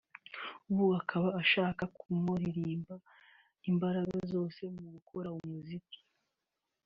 ubu akaba ashaka kumaririmba imbaraga zose mu gukora umuziki